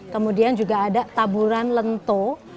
kemudian juga ada taburan lento